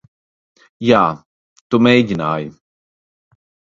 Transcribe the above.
Jā, tu mēģināji.